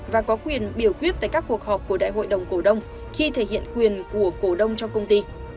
và có quyền biểu quyết tại các cuộc họp của đại hội đồng cổ đông khi thể hiện quyền của cổ đông trong công ty